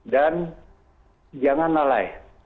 dan jangan nalai